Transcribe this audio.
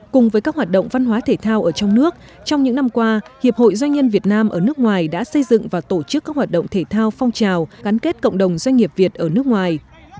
cùng với các hoạt động văn hóa thể thao ở trong nước trong những năm qua hiệp hội doanh nhân việt nam ở nước ngoài đã xây dựng và tổ chức các hoạt động thể thao phong trào gắn kết cộng đồng doanh nghiệp việt ở nước ngoài